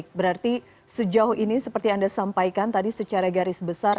baik berarti sejauh ini seperti yang anda sampaikan tadi secara garis besar